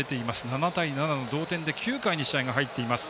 ７対７の同点で９回に試合が入っています。